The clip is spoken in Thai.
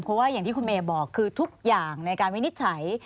เพราะว่าอย่างที่คุณเมย์บอกคือทุกอย่างในการวินิจฉัย